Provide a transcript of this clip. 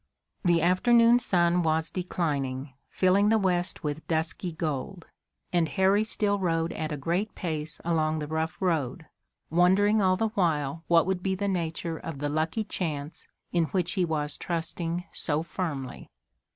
The afternoon sun was declining, filling the west with dusky gold, and Harry still rode at a great pace along the rough road, wondering all the while what would be the nature of the lucky chance, in which he was trusting so firmly.